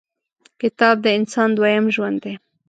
• کتاب، د انسان دویم ژوند دی.